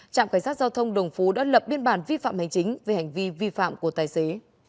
trạm cảnh sát giao thông đồng phú đã lập biên bản vi phạm hành chính về hành vi vi phạm của tài xế